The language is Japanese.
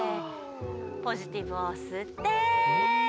ポジティブをすって。